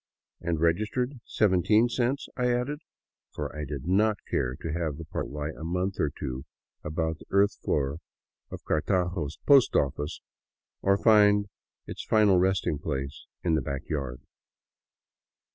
"And registered, seventeen cents?" I added; for I did not care to have the parcel lie a month or two about the earth floor of Cartago's post office, or find its final resting place in the back yard.